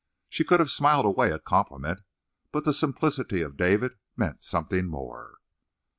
She could have smiled away a compliment, but the simplicity of David meant something more.